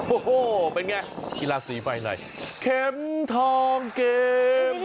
โอ้โหเป็นไงกีฬาสีไฟอะไรเข็มทองเกม